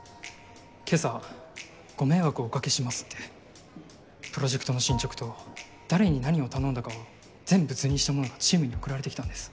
今朝「ご迷惑をおかけします」ってプロジェクトの進捗と誰に何を頼んだかを全部図にしたものがチームに送られてきたんです。